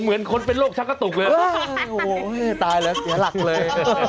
เหมือนคนเป็นโรคชักกระตุกเลยโอ้โหตายแล้วเสียหลักเลย